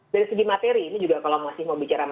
dari segi materi ini juga kalau masih mau bicara